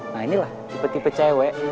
nah inilah tipe tipe cewek